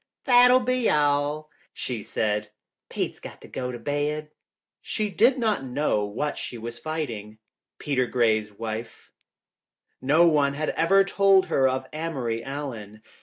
"That'll be all," she said. "Pete's got to go to bed." She did not know what she was fighting, Peter Gray's wife. No one had ever told her of Amory Allen.